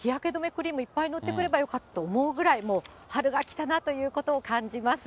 クリームいっぱい塗ってくればよかったと思うぐらい、もう春が来たなということを感じます。